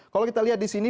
kalau kita lihat di sini